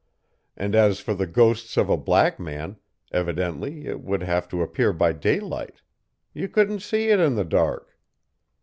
And as for the ghost of a black man, evidently it would have to appear by daylight. You couldn't see it in the dark!